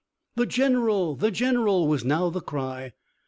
"The general! the general!" was now the cry.